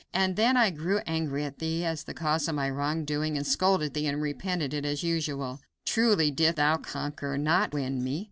And then I grew angry at thee as the cause of my wrong doing and scolded thee, and repented it, as usual. Truly didst thou conquer, not win me.